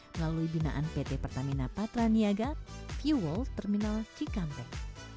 melalui binaan pt pertamina patraniaga fuel terminal cikampek